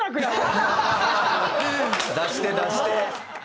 出して出して。